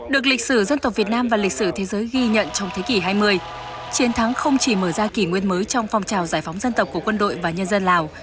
được lịch sử dân tộc việt nam và lịch sử thế giới ghi nhận trong thế kỷ hai mươi chiến thắng không chỉ mở ra kỷ nguyên mới trong phong trào giải phóng dân tộc của quân đội và nhân dân lào